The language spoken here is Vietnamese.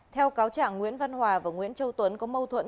theo cáo trạng nguyễn văn hòa và nguyễn châu tuấn có mâu thuẫn